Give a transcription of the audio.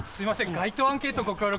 街頭アンケートご協力